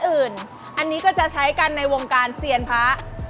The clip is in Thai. อื่นอยู่กันในวงการเซียนพาคุณพาเขียน